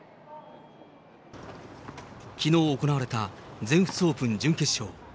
きのう行われた全仏オープン準決勝。